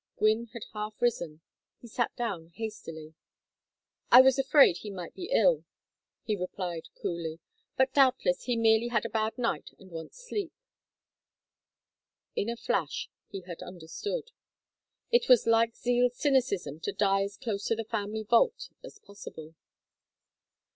Gwynne had half risen. He sat down hastily. "I was afraid he might be ill," he replied, coolly. "But doubtless he merely had a bad night and wants sleep." In a flash he had understood. It was like Zeal's cynicism to die as close to the family vault as possible.